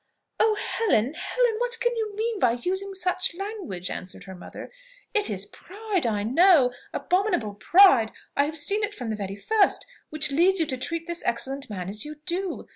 "Oh, Helen! Helen! what can you mean by using such language?" answered her mother. "It is pride, I know, abominable pride, I have seen it from the very first, which leads you to treat this excellent man as you do.